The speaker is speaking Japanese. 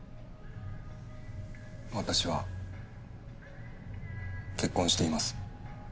私は結婚しています。